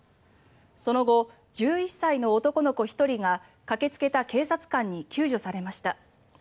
その後、１１歳の男の子１人が駆けつけた警察官に救助されました。